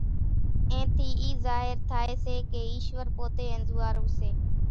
اين ٿي اِي ظاھر ٿائي سي ڪي ايشور پوتي انزوئارون سي،